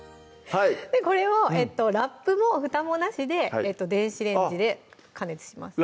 これをラップもふたもなしで電子レンジで加熱します